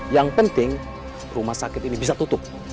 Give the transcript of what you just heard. yang penting rumah sakit ini bisa tutup